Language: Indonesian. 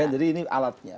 jadi ini alatnya